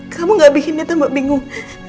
kamu gak bikin dia tambah bingung